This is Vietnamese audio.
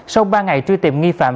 sau ba ngày truy tìm nghi phạm